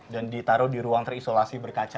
dan ditaruh di ruang terisolasi berkaca